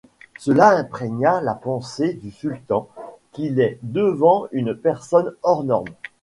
Cela imprégna la pensé du sultan qu’il est devant une personne hors norme.